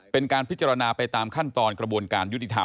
เป็นการพิจารณาไปตามขั้นตอนกระบวนการยุติธรรม